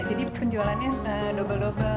jadi penjualannya double double